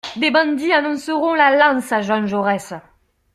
Des bandits annonceront la lance à Jean Jaurès.